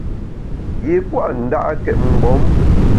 Yi pua’ nda’két mgbom.